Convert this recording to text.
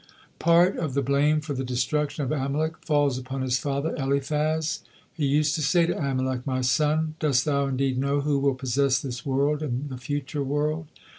Part of the blame for the destruction of Amalek falls upon his father, Eliphaz. He used to say to Amalek: "My son, dost thou indeed know who will posses this world and the future world?"